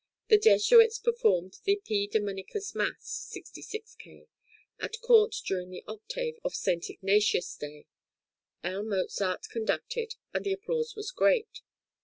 The Jesuits performed the P. Dominicus Mass (66 K.) at court during the Octave of S. Ignatius' day; L. Mozart conducted, and the applause was great.